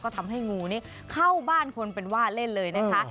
ทำให้งูนี้เข้าบ้านคนเป็นว่าเล่นเลยนะคะ